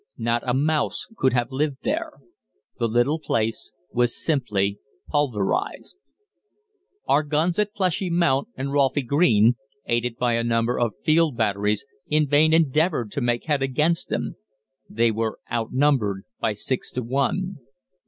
Not a mouse could have lived there. The little place was simply pulverised. "Our guns at Pleshy Mount and Rolphy Green, aided by a number of field batteries, in vain endeavoured to make head against them. They were outnumbered by six to one.